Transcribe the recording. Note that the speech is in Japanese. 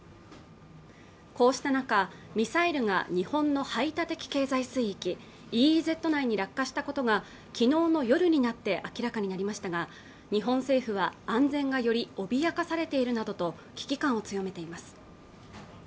こうした中ミサイルが日本の排他的経済水域＝ＥＥＺ内に落下したことが昨日の夜になって明らかになりましたが日本政府は安全がより脅かされているなどと危機感を強めています